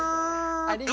ありがとう。